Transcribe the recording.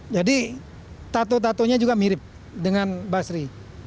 jadi tato tatonya juga mirip dengan basri